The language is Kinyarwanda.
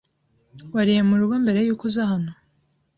Wariye murugo mbere yuko uza hano?